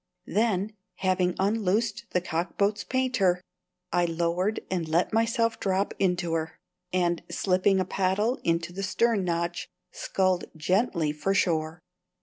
Then, having unloosed the cockboat's painter, I lowered and let myself drop into her, and, slipping a paddle into the stern notch, sculled gently for shore.